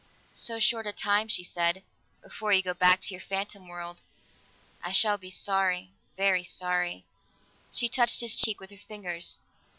"So short a time," she said, "before you go back to your phantom world. I shall be sorry, very sorry." She touched his cheek with her fingers.